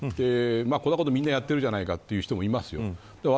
こんなこと、みんなやっているじゃないかという人もいます。